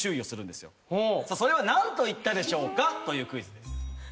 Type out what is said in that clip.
それは何と言ったでしょうかというクイズ。